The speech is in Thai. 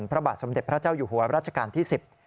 พระบาทสมเด็จพระเจ้าอยู่หัวรัชกาลที่๑๐